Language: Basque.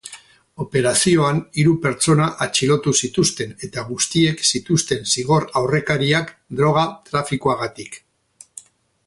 Operazioan hiru pertsona atxilotu zituzten, eta guztiek zituzten zigor aurrekariak droga-trafikoagatik.